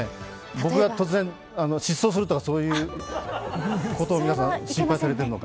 僕が突然失踪するとか、そういうことを皆さん心配されているのか。